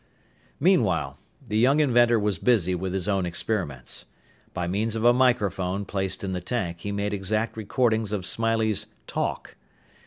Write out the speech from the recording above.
Meanwhile, the young inventor was busy with his own experiments. By means of a microphone placed in the tank, he made exact recordings of Smiley's "talk."